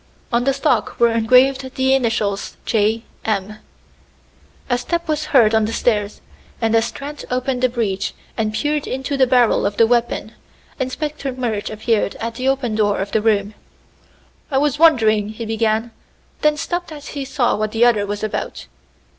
On the stock were engraved the initials "J. M." A step was heard on the stairs, and as Trent opened the breech and peered into the barrel of the weapon, Inspector Murch appeared at the open door of the room. "I was wondering" he began; then stopped as he saw what the other was about.